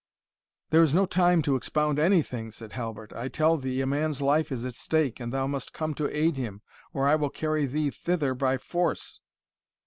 "There is no time to expound any thing," said Halbert; "I tell thee a man's life is at stake, and thou must come to aid him, or I will carry thee thither by force!"